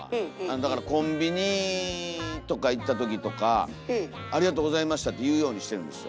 だからコンビニとか行った時とか「ありがとうございました」って言うようにしてるんですよ。